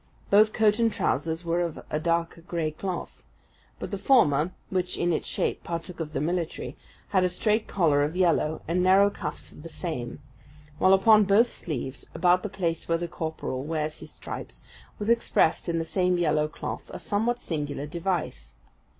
Both coat and trousers were of a dark grey cloth; but the former, which, in its shape, partook of the military, had a straight collar of yellow, and narrow cuffs of the same; while upon both sleeves, about the place where a corporal wears his stripes, was expressed, in the same yellow cloth, a somewhat singular device.